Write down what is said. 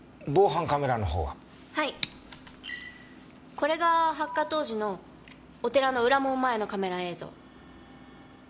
これが発火当時のお寺の裏門前のカメラ映像。